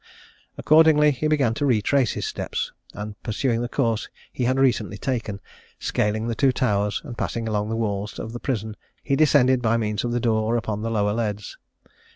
Accordingly he began to retrace his steps, and pursuing the course he had recently taken, scaling the two towers, and passing along the walls of the prison, he descended by means of the door upon the Lower Leads.